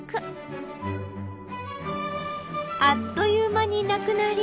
あっという間になくなり。